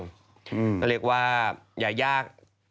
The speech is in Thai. คุณกลางบอกว่าอย่ายาก